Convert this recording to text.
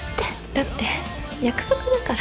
だって約束だから。